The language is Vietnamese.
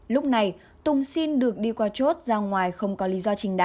lúc này tùng xin được đi qua chốt ra ngoài không có lý do trình bày